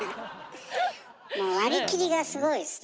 もう割り切りがすごいですね。